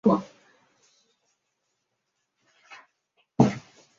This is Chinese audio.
左腿因为幼年长疮而微残。